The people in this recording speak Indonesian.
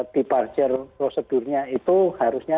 diparcer prosedurnya itu harusnya